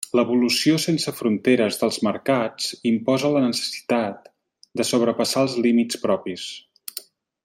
L'evolució sense fronteres dels mercats imposa la necessitat de sobrepassar els límits propis.